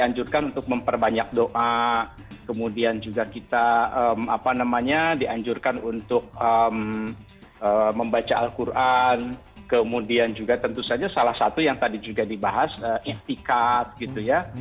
dianjurkan untuk memperbanyak doa kemudian juga kita dianjurkan untuk membaca al quran kemudian juga tentu saja salah satu yang tadi juga dibahas iktikat gitu ya